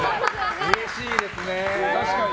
うれしいですね。